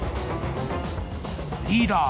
リーダー